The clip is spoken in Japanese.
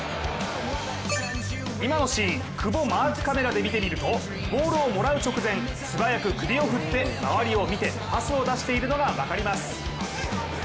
今のシーン、久保マークカメラで見てみるとボールをもらう直前、素早く首を振って周りを見てパスを出しているのが分かります。